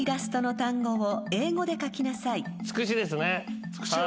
つくしですね。